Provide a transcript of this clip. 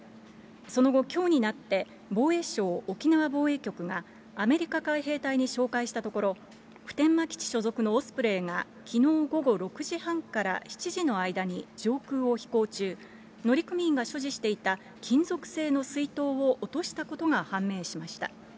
その後、きょうになって、防衛省沖縄防衛局がアメリカ海兵隊に照会したところ、普天間基地所属のオスプレイが、きのう午後６時半から７時の間に、上空を飛行中、乗組員が所持していた金属製の水筒を落としたことが判明しました。